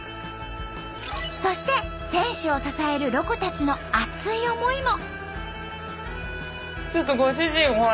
そして選手を支えるロコたちの熱い思いも。